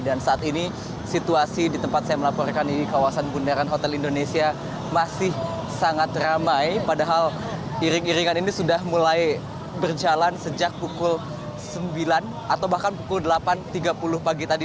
dan saat ini situasi di tempat saya melaporkan ini kawasan bundaran hotel indonesia masih sangat ramai padahal iring iringan ini sudah mulai berjalan sejak pukul sembilan atau bahkan pukul delapan tiga puluh pagi tadi